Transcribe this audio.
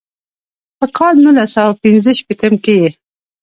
پۀ کال نولس سوه پينځه شپيتم کښې ئې